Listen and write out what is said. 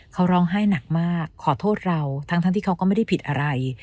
เขาร้องไห้หนักมากขอโทษเราทั้งที่เขาก็ไม่ได้ผิดอะไร